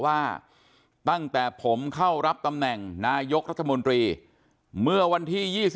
ว่าตั้งแต่ผมเข้ารับตำแหน่งนายกรัฐมนตรีเมื่อวันที่๒๒